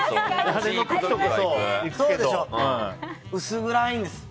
薄暗いんです。